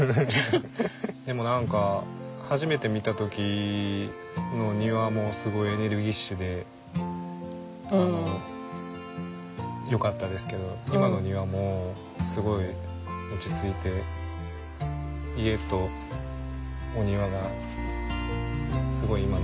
でも何か初めて見た時の庭もすごいエネルギッシュでよかったですけど今の庭もすごい落ち着いて家とお庭がすごい今なじんでる感じがしますね。